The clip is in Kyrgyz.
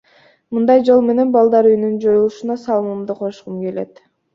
Мындай жол менен балдар үйүнүн жоюлушуна салымымды кошкум келет.